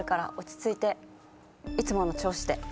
いつもの調子で。